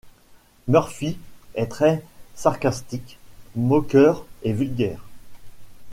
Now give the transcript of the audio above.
Murfy est très sarcastique, moqueur et vulgaire.